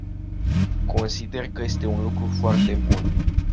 Consider că este un lucru foarte bun.